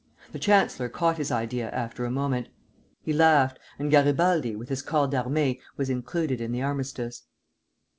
The chancellor caught his idea after a moment. He laughed, and Garibaldi, with his corps d'armée, was included in the armistice.